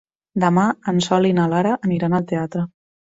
Demà en Sol i na Lara aniran al teatre.